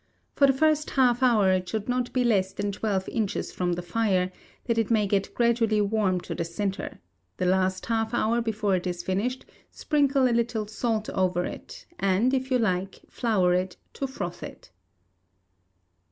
For the first half hour it should not be less than twelve inches from the fire, that it may get gradually warm to the centre; the last half hour before it is finished, sprinkle a little salt over it, and, if you like, flour it, to froth it.